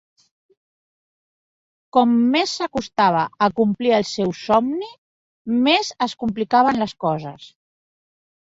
Com més s'acostava a complir el seu somni, més es complicaven les coses.